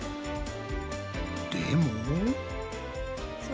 でも。